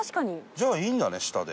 じゃあいいんだね下で。